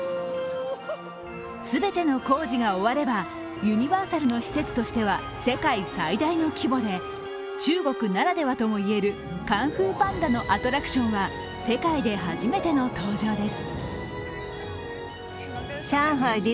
全ての工事が終わればユニバーサルの施設としては世界最大の規模で中国ならではともいえる「カンフー・パンダ」のアトラクションは世界で初めての登場です。